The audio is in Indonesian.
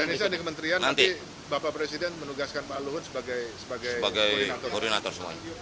indonesia di kementerian nanti bapak presiden menugaskan pak luhut sebagai koordinator koordinator